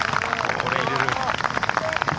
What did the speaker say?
これ入れる。